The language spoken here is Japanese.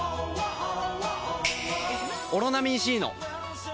「オロナミン Ｃ」の！